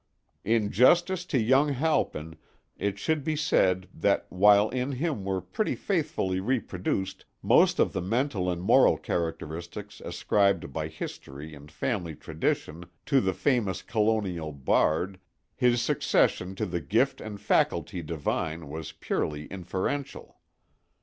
In justice to young Halpin it should be said that while in him were pretty faithfully reproduced most of the mental and moral characteristics ascribed by history and family tradition to the famous Colonial bard, his succession to the gift and faculty divine was purely inferential.